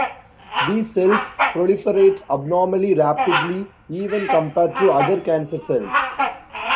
These cells proliferate abnormally rapidly, even compared to other cancer cells.